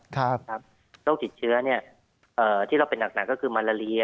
ครับโรคติดเชื้อนี่ที่เราเป็นหนักก็คือมัลลาเรีย